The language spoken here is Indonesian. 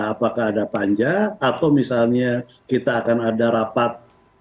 apakah ada panja atau misalnya kita akan ada rapat